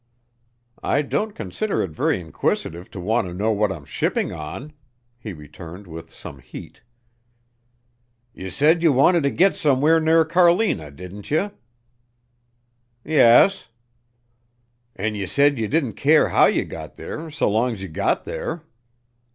"I don't consider it very inquisitive to want to know what I'm shipping on," he returned with some heat. "Ye said ye wanted t' git somewhere near Carlina, didn't ye?" "Yes." "An' ye said ye didn't care how you gut there so long's ye gut there."